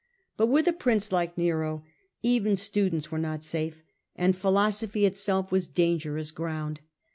But with a prince like Nero even students were not safe, and philosophy itself was dangerous ground.